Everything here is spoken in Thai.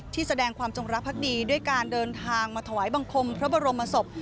แสดงความจงรักภักดีด้วยการเดินทางมาถวายบังคมพระบรมศพ